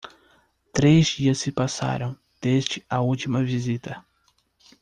Três dias se passaram, desde a última visita.